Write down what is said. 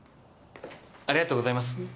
ありがとうございます。